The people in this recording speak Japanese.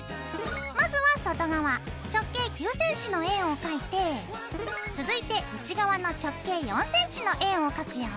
まずは外側直径９ｃｍの円を描いて続いて内側の直径４ｃｍの円を描くよ。